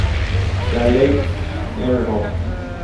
La Ley Nro.